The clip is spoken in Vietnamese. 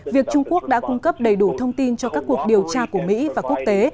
việc trung quốc đã cung cấp đầy đủ thông tin cho các cuộc điều tra của mỹ và quốc tế